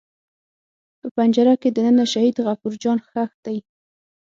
په پنجره کې دننه شهید غفور جان ښخ دی.